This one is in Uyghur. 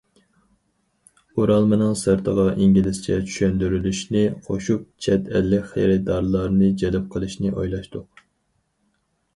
ئورالمىنىڭ سىرتىغا ئىنگلىزچە چۈشەندۈرۈشنى قوشۇپ، چەت ئەللىك خېرىدارلارنى جەلپ قىلىشنى ئويلاشتۇق.